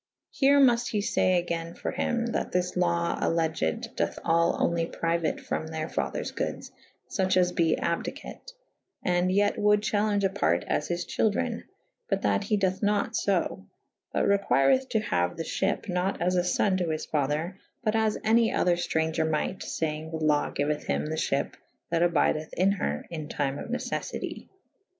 Here muft he fay agayn for hym that this law alleged doth all only priuate ixom theyr fathers goodes fuche as be abdicate & yet [F i a] wolde chalenge a part as his children / but that he doth nat fo / but requireth to haue the fhyp / nat as a fon to his father : but as any other ftraunger myght / feyng the law gyueth hym the fhyp that abydeth in her in tyme of neceirity.